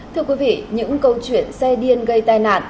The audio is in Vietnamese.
thưa quý vị những câu chuyện xe điên gây tai nạn